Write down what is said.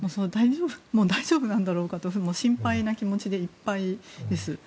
大丈夫なんだろうかと心配な気持ちでいっぱいです。